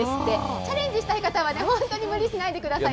チャレンジしたい方はね、本当に無理しないでください。